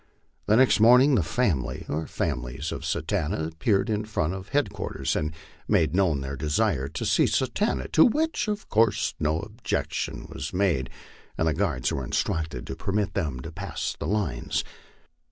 The next morning the family or families of Satanta appeared in front of headquarters and made known their desire to see Satanta, to which, of course, no objection was made, and the guards were instructed to permit them to pass the lines.